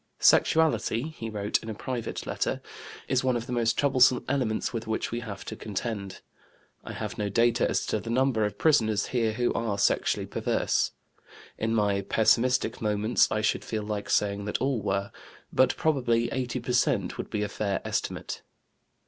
"Sexuality" (he wrote in a private letter) "is one of the most troublesome elements with which we have to contend. I have no data as to the number of prisoners here who are sexually perverse. In my pessimistic moments I should feel like saying that all were; but probably 80 per cent, would be a fair estimate."